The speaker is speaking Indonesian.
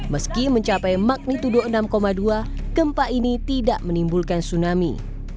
meski mencapai magnitudo enam dua gempa ini tidak menimbulkan tsunami